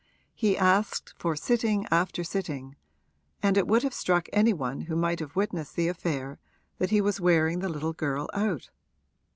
He asked for sitting after sitting, and it would have struck any one who might have witnessed the affair that he was wearing the little girl out.